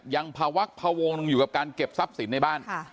ยังพวักพวงอยู่กับการเก็บทรัพย์สินในบ้าน